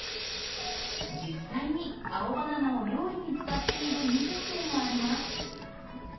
実際に青バナナを料理に使っている飲食店もあります。